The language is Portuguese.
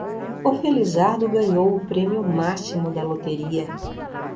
O felizardo ganhou o prêmio máximo da loteria